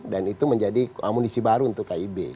dan itu menjadi amunisi baru untuk kib